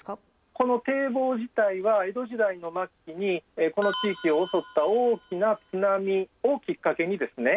この堤防自体は江戸時代の末期にこの地域を襲った大きな津波をきっかけにですね